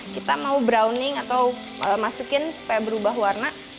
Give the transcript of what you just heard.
kita mau browning atau masukin supaya berubah warna